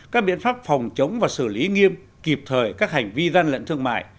các biện pháp phòng chống và xử lý nghiêm kịp thời các hành vi gian lận thương mại